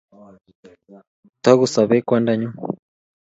Tukusobei kwandanyu